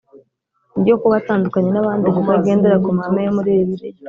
Ryo kuba atandukanye n abandi kuko agendera ku mahame yo muri bibiliya